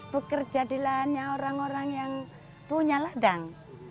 pekerja di lanya orang orang yang punya ladang